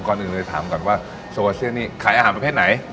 ก่อนอื่นเลยถามก่อนว่าโซอาเซียนนี่ขายอาหารประเภทไหน